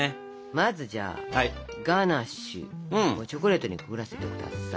まずじゃあガナッシュをチョコレートにくぐらせて下さい。